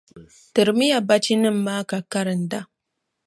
Tirimiya bachinima maa ka karinda.